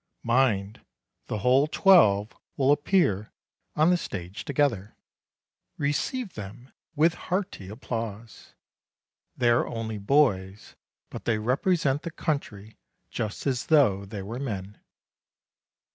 Mind! the whole twelve will appear on the stage together. Receive them with hearty applause. They are only boys, but they rep resent the country just as though they were men.